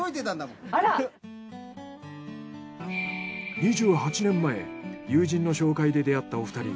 ２８年前友人の紹介で出会ったお二人。